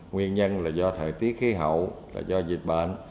nguyên nhân là do thời tiết khí hậu là do dịch bệnh